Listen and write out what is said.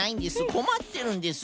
こまってるんです。